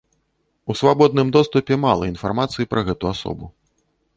У свабодным доступе мала інфармацыі пра гэту асобу.